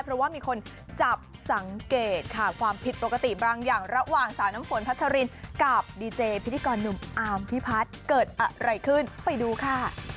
เพราะว่ามีคนจับสังเกตค่ะ